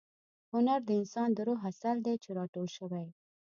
هنر د انسان د روح عسل دی چې را ټول شوی.